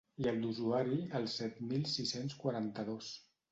I el d'usuari el set mil sis-cents quaranta-dos.